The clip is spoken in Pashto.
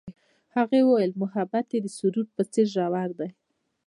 هغې وویل محبت یې د سرود په څېر ژور دی.